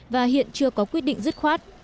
và hiện chưa có quyết định dứt khoát